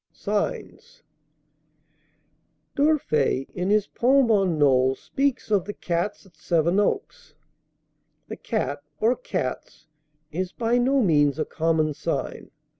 SIGNS. D'Urfey, in his poem on Knole, speaks of "The Cats" at Sevenoaks. "The Cat" or "Cats" is by no means a common sign.